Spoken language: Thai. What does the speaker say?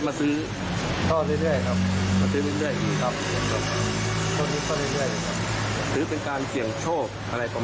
เลขอื่นคนก็ซื้อค่ะเพราะว่าอยากเสียงดวงได้รุ้นกัน